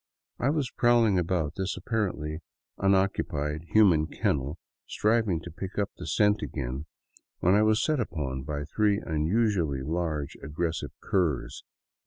I was prowling about this apparently unoccupied human kennel, striving to pick up the scent again, when I was set upon by three unusually large, aggressive curs.